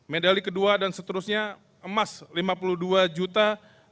medali kedua dan seterusnya emas lima puluh dua juta